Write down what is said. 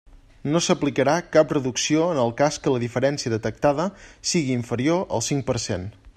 No s'aplicarà cap reducció en el cas que la diferència detectada siga inferior al cinc per cent.